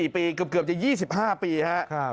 ๔ปีเกือบจะ๒๕ปีครับ